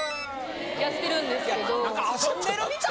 やってるんですけど。